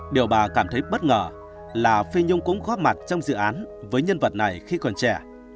điều bà cảm thấy bất ngờ là phi nhung cũng góp mặt trong dự án với nhân vật này khi còn trẻ